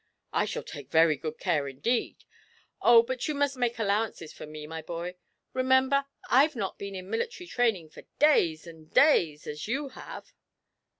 'I shall take very good care indeed. Oh, but you must make allowances for me, my boy. Remember, I've not been in military training for days and days, as you have.'